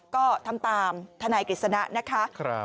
ก็ทำตามทนายกฤษณะนะคะ